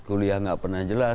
kuliah nggak pernah jelas